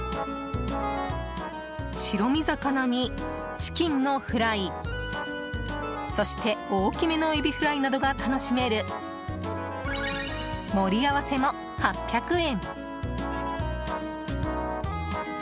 白身魚に、チキンのフライそして大きめのエビフライなどが楽しめる盛り合わせも８００円。